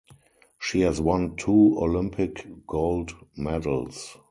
She has won two Olympic gold medals.